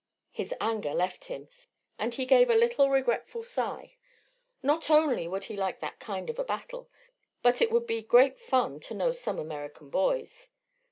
His anger left him, and he gave a little regretful sigh. Not only would he like that kind of a battle, but it would be great fun to know some American boys.